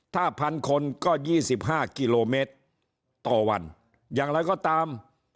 ถ้าพันคนก็๒๕กิโลเมตรต่อวันอย่างไรก็ตาม